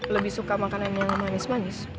lebih suka makanan yang manis manis